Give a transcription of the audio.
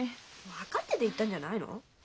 分かってて行ったんじゃないの？